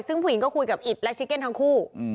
ซึ่งผู้หญิงก็คุยกับอิตและชิเก็นทั้งคู่